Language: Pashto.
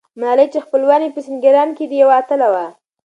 ملالۍ چې خپلوان یې په سینګران کې دي، یوه اتله وه.